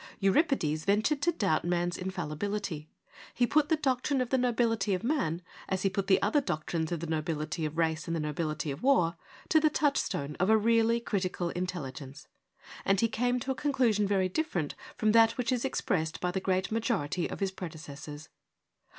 Euripides ventured to doubt man's infallibility : he put the doctrine of the nobility of man, as he put the other doctrines of the nobility of race and the nobility of war, to the touchstone of a really critical intelligence, and he came to a conclusion very different from that which is expressed by the great majority of his predecessors.